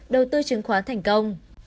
đầu tư chứng khoán thành công